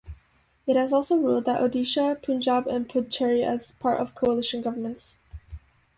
It has also ruled Odisha, Punjab and Puducherry as part of coalition governments.